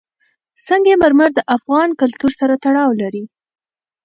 سنگ مرمر د افغان کلتور سره تړاو لري.